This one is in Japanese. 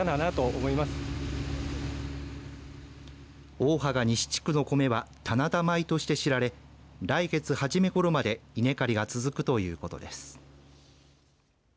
大垪和西地区の米は棚田米として知られ来月初めごろまで稲刈りが続くということです。